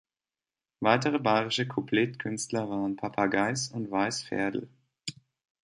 Weitere bayerische Couplet-Künstler waren Papa Geis und Weiß Ferdl.